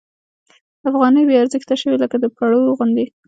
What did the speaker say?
افغانۍ بې ارزښته شوې لکه د پړو غوندې.